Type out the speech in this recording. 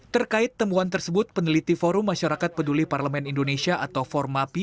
terkait temuan tersebut peneliti forum masyarakat peduli parlemen indonesia atau formapi